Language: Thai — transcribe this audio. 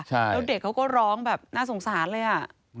แล้วเด็กเขาก็ร้องแบบน่าสงสารเลย